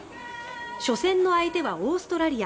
初戦の相手はオーストラリア。